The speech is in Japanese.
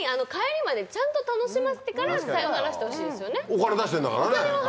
お金出してんだからね。